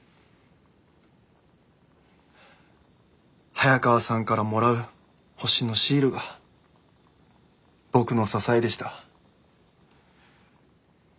早川さんからもらう星のシールが僕の支えでした。